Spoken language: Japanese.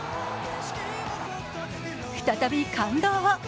再び感動を。